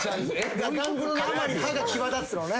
ガングロのあまり歯が際立つのね。